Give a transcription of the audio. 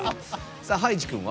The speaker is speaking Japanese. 葉一君は？